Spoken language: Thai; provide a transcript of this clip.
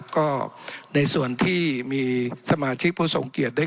ก็ในส่วนที่มีสมาชิกผู้ทรงเกียจได้